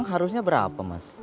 harusnya rp sepuluh